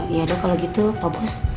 ya dok kalau gitu pak bos